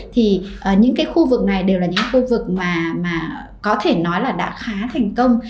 thì những cái khu vực này đều là những khu vực mà có thể nói là đã khá thành công